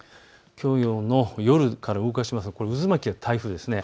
きょうの夜から動かすとこの渦巻きが台風です。